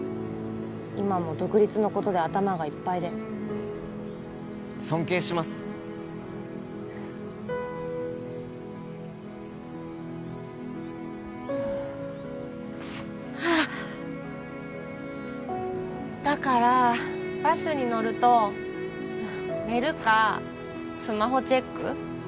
今も独立のことで頭がいっぱいで尊敬しますはあっだからバスに乗ると寝るかスマホチェック